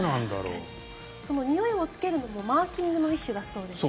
においをつけるのもマーキングの一種だそうです。